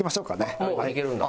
あっもういけるんだ。